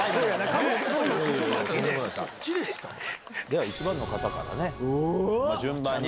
では１番の方から順番に。